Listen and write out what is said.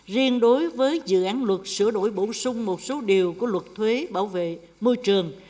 riêng đối với dự án luật sửa đổi bổ sung một số điều của luật thuế bảo vệ môi trường